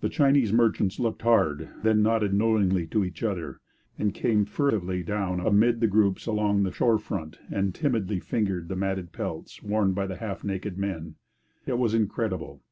The Chinese merchants looked hard; then nodded knowingly to each other, and came furtively down amid the groups along the shore front and timidly fingered the matted pelts worn by the half naked men. It was incredible.